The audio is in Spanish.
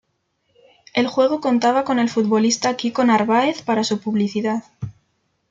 El juego contaba con el futbolista Kiko Narváez para su publicidad.